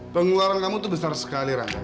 pengeluaran kamu itu besar sekali rakyat